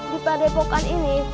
di pada epokan ini